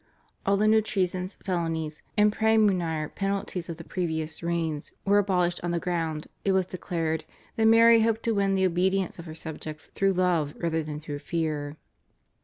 All the new treasons, felonies, and praemunire penalties of the previous reigns were abolished on the ground, it was declared, that Mary hoped to win the obedience of her subjects through love rather than through fear.